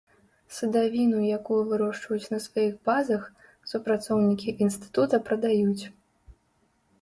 Садавіну, якую вырошчваюць на сваіх базах, супрацоўнікі інстытута прадаюць.